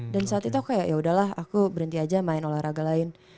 dan saat itu aku kayak yaudahlah aku berhenti aja main olahraga lain